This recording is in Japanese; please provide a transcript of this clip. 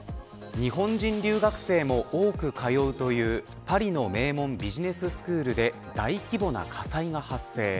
日本人留学生も多く通うというパリの名門ビジネススクールで大規模な火災が発生。